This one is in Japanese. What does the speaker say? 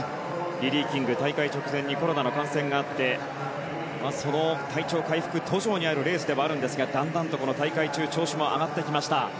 リリー・キング大会直前にコロナの感染があってその体調回復途上にあるレースではあるんですがだんだんと大会中に調子も上がってきました。